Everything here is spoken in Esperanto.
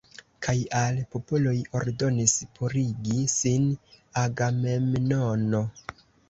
Kaj al popoloj ordonis purigi sin Agamemnono.